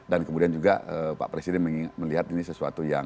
dan kemudian juga pak presiden melihat ini sesuatu yang